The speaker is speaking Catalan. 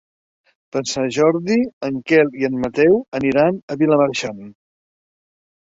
Per Sant Jordi en Quel i en Mateu aniran a Vilamarxant.